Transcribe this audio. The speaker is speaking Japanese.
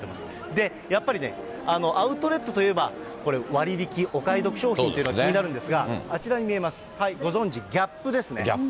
で、やっぱりね、アウトレットといえば、これ割引、お買い得商品というのが気になるんですが、あちらに見えます、ご存じ、ＧＡＰですね。